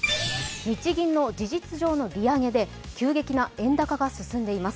日銀の事実上の利上げで急激な円高が進んでいます。